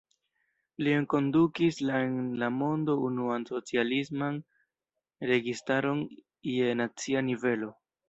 Li enkondukis la en la mondo unuan socialisman registaron je nacia nivelo.